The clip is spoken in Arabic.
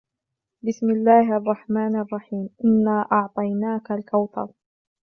بِسْمِ اللَّهِ الرَّحْمَنِ الرَّحِيمِ إِنَّا أَعْطَيْنَاكَ الْكَوْثَرَ